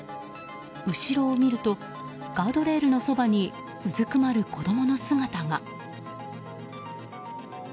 後ろを見るとガードレールのそばにうずくまる子供の姿が。